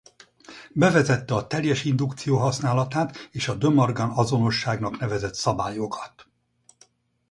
Bevezette a teljes indukció használatát és a De Morgan-azonosságnak nevezett szabályokat.